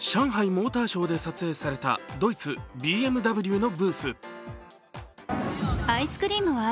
モーターショーで撮影されたドイツ・ＢＭＷのブース。